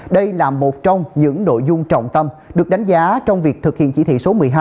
đây là một trong những nội dung trọng tâm được đánh giá trong việc thực hiện chỉ thị số một mươi hai